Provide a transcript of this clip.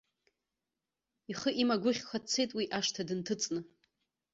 Ихы имагәхьха дцеит уи ашҭа дынҭыҵны!